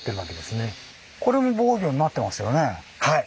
はい。